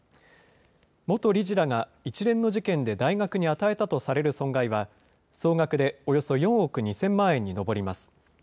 元理事らが一連の事件で大学に与えたとされる損害は、総額でおよそ４億２０００万円に上ります。